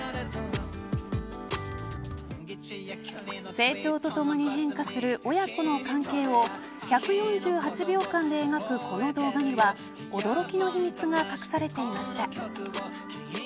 成長とともに変化する親子の関係を１４８秒間で描くこの動画には驚きの秘密が隠されていました。